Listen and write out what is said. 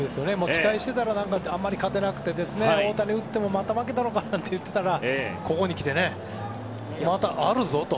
期待しているとあまり勝てなくて大谷が打ってもまた負けたのかといっていたのがここにきて、まだあるぞ！と。